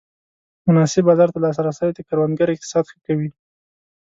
مناسب بازار ته لاسرسی د کروندګر اقتصاد ښه کوي.